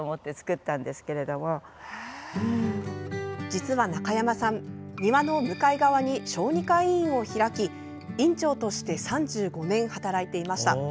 実は中山さん庭の向かい側に小児科医院を開き院長として３５年働いていました。